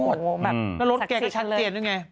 แบบศักดิ์สิทธิ์เลยอืมสักสิทธิ์แล้วรถแกก็ชั้นเตียนด้วยไง